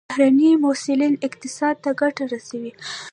بهرني محصلین اقتصاد ته ګټه رسوي.